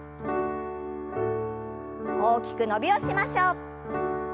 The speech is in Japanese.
大きく伸びをしましょう。